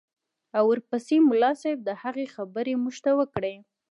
او ورپسې ملا صاحب د هغه خبرې موږ ته وکړې.